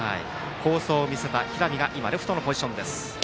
好走を見せた平見がレフトのポジション。